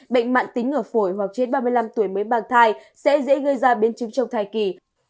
bệnh mạng tính ở phổi hoặc trên ba mươi năm tuổi mới mang thai sẽ dễ gây ra biến chứng trong thai kỳ